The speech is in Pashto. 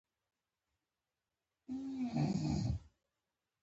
غوږونه له زوره غږو تښتي